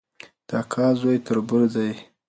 د اکا زوی تربور دی